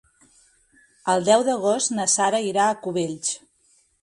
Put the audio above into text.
El deu d'agost na Sara irà a Cubells.